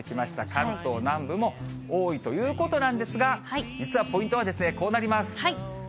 関東南部も多いということなんですが、実はポイントはですね、こうなります。